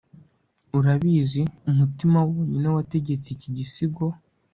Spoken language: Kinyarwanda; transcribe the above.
urabizi, umutima wonyine wategetse iki gisigo